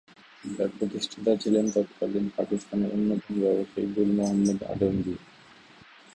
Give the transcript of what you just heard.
যার প্রতিষ্ঠাতা ছিলেন তৎকালীন পাকিস্তানের অন্যতম ব্যবসায়ী গুল মোহাম্মদ আদমজী।